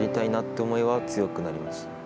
思いは強くなりました。